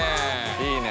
いいね。